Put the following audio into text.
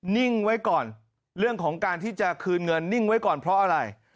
นิ่งไว้ก่อนเรื่องของการที่จะคืนเงินนิ่งไว้ก่อนเพราะอะไร